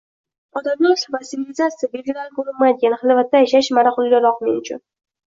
Odamlar va sivilizasiya belgilari ko`rinmaydigan xilvatda yashash maroqliroq men uchun